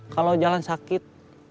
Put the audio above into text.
kalau jalan sakit